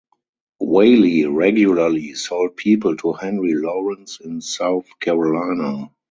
Whaley regularly sold people to Henry Laurens in South Carolina.